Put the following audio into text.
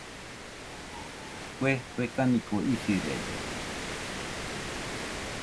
Kue fekaniko isirede.